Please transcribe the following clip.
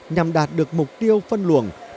nhằm đạt được mục tiêu phân luồng